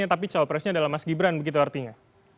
tapi cawapresnya adalah mas gibran begitu artinya